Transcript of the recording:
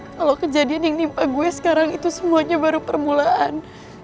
kalau kejadian yang menimpa gue sekarang itu semuanya baru permulaan